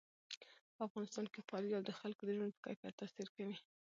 په افغانستان کې فاریاب د خلکو د ژوند په کیفیت تاثیر کوي.